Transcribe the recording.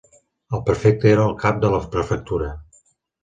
El prefecte era el cap de la prefectura.